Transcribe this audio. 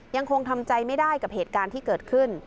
ยังคงทำใจไม่ได้กับเหตุการณ์ที่เกิดขึ้น